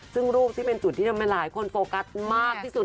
ซึ่งรูปที่เป็นจุดที่ทำให้หลายคนโฟกัสมากที่สุด